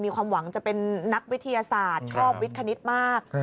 มีความหวังจะเป็นนักวิทยาศาสตร์ชอบวิทคณิตมาก